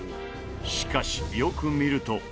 しかしよく見ると。